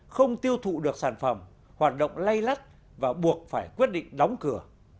không tiêu thụ được sản phẩm hoạt động lay lắt và buộc phải quyết định đóng cửa